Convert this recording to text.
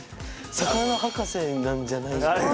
魚博士なんじゃないかっていう。